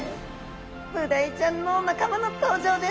ブダイちゃんの仲間の登場です。